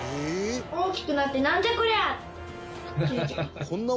大きくなってなんじゃこりゃって。